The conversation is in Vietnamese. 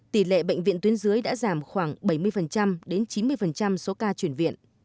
tỷ lệ bệnh viện tuyến dưới đã giảm khoảng bảy mươi đến chín mươi số ca chuyển viện